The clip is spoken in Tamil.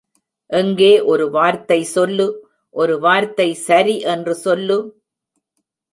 எங்கே ஒரு வார்த்தை சொல்லு, ஒரு வார்த்தை சரி என்று சொல்லு.